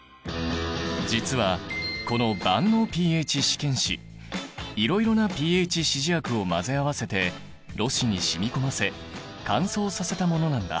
実はこの万能ｐＨ試験紙いろいろなｐＨ指示薬を混ぜ合わせてろ紙にしみこませ乾燥させたものなんだ。